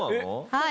はい。